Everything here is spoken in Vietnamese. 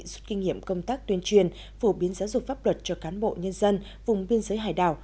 rút kinh nghiệm công tác tuyên truyền phổ biến giáo dục pháp luật cho cán bộ nhân dân vùng biên giới hải đảo